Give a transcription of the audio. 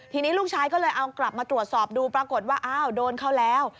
ทีนี้ลูกชายก็เลยเอากลับมาตรวจสอบดูปรากฏว่าอ้าวโดนเขาแล้ว